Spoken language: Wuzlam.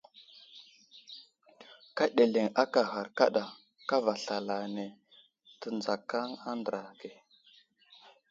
Ka ɗeleŋ aka ghar kaɗa kava slalane tə nzakaŋ a andra ge.